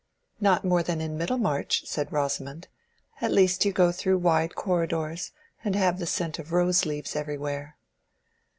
"Not more than in Middlemarch," said Rosamond. "And at least you go through wide corridors and have the scent of rose leaves everywhere."